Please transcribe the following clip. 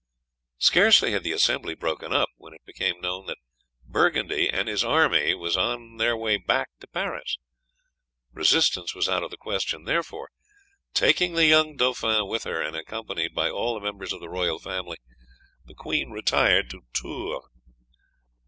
"Scarcely had the assembly broken up when it became known that Burgundy and his army was on the way back to Paris. Resistance was out of the question; therefore, taking the young dauphin with her, and accompanied by all the members of the royal family, the queen retired to Tours.